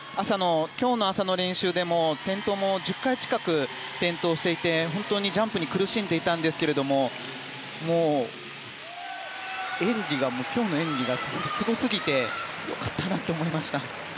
今日の朝の練習でも１０回近く転倒していてジャンプに苦しんでいましたが今日の演技がすごすぎて良かったなと思いました。